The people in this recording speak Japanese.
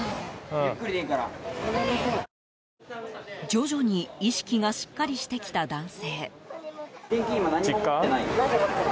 徐々に意識がしっかりしてきた男性。